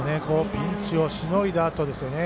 ピンチをしのいだあとですよね。